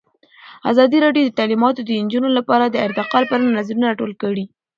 ازادي راډیو د تعلیمات د نجونو لپاره د ارتقا لپاره نظرونه راټول کړي.